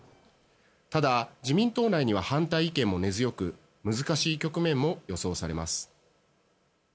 ただ、自民党内には反対意見も根強く難しい局面も予想されます。